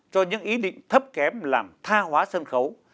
cho những ý định thấp kém làm tha hóa sân khấu